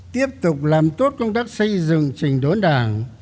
tiếp tục làm tốt công tác xây dựng trình đốn đảng